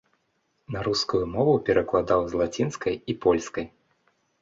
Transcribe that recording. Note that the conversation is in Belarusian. На рускую мову перакладаў з лацінскай і польскай.